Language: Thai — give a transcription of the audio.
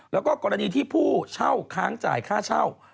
แล้วก็กรณีที่ผู้เช่าค้างจ่ายค่าเช่า